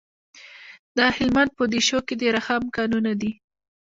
د هلمند په دیشو کې د رخام کانونه دي.